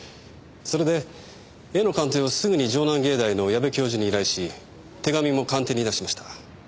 それで絵の鑑定をすぐに城南芸大の矢部教授に依頼し手紙も鑑定に出しました。